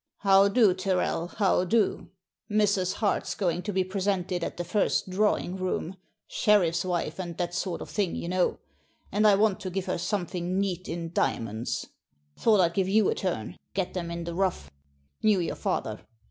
"How do, Tyrrel, how do? Mrs. Hart's going to be presented at the first Drawing room — sherifTs wife, and that sort of thing, you know — and I want to give her something neat in diamonds. Thought I'd give you a turn — ^get them in the rough. Knew your father.